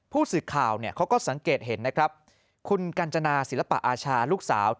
ผู้สื่อข่าวเขาก็สังเกตเห็นนะครับคุณกัญจนาศิลปะอาชาลูกสาว